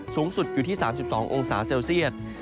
สูงสุดอยู่ที่๓๒องศาเซลเซียต